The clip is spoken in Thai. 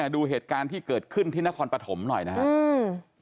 ดูเหตุการณ์ที่เกิดขึ้นที่นครปฐมหน่อยนะครับ